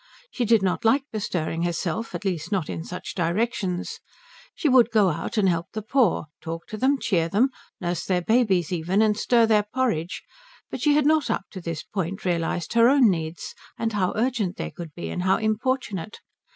She did not like bestirring herself; at least, not in such directions. She would go out and help the poor, talk to them, cheer them, nurse their babies even and stir their porridge, but she had not up to this point realized her own needs, and how urgent they could be and how importunate.